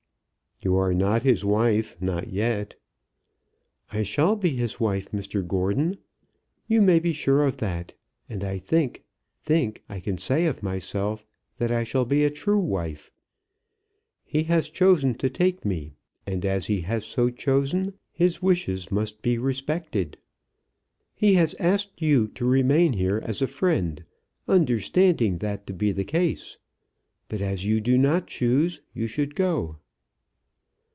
"You are not his wife, not yet." "I shall be his wife, Mr Gordon. You may be sure of that. And I think think I can say of myself that I shall be a true wife. He has chosen to take me; and as he has so chosen, his wishes must be respected. He has asked you to remain here as a friend, understanding that to be the case. But as you do not choose, you should go."